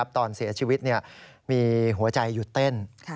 ตอนเสียชีวิตมีหัวใจหยุดเต้น